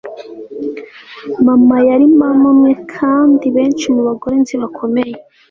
mama yari mama umwe, kandi benshi mu bagore nzi bakomeye